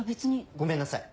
ごめんなさい。